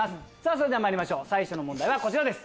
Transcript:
それではまいりましょう最初の問題はこちらです。